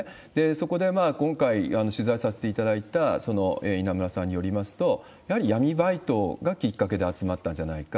そこで今回、取材させていただいた稲村さんによりますと、やはり闇バイトがきっかけで集まったんじゃないか。